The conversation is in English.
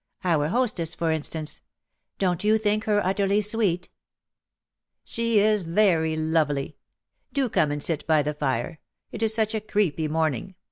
Our hostess^ for instance — don^t you think her utterly sweet ?"" She is very lovely. Do come and sit by the fire. It is such a creepy morning.